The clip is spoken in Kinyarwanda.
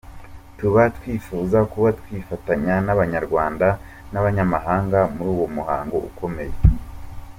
Tuba twifuza kuza kwifatanya n’Abanyarwanda n’abanyamahanga muri uwo muhango ukomeye.